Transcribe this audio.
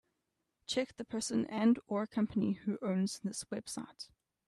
Check the person and/or company who owns this website.